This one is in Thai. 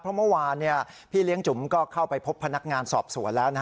เพราะเมื่อวานพี่เลี้ยงจุ๋มก็เข้าไปพบพนักงานสอบสวนแล้ว